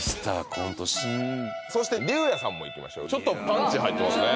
そして竜哉さんもいきましょうちょっとパンチ入ってますね